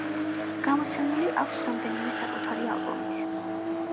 გამოცემული აქვს რამდენიმე საკუთარი ალბომიც.